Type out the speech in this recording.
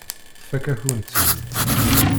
Tfakk-akent-ten.